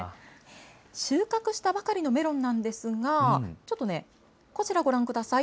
収穫したばかりのメロンなんですが、ちょっとね、こちらご覧ください。